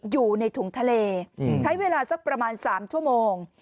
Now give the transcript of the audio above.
อยู่ในถุงทะเลใช้เวลาสักประมาณ๓ชั่วโมง